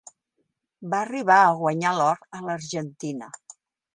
Va arribar a guanyar l'or a l'Argentina.